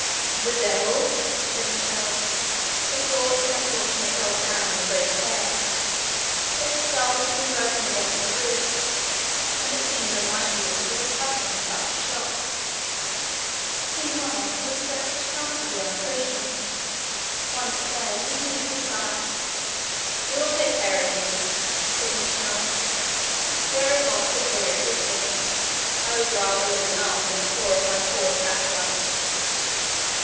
"The devil!" said Michel. They brought the unfortunate dog down with great care. Its skull had been broken against the roof, and it seemed unlikely that he could recover from such a shock. Meanwhile, he was stretched comfortably on a cushion. Once there, he heaved a sigh. "We will take care of you," said Michel; "we are responsible for your existence. I would rather lose an arm than a paw of my poor Satellite."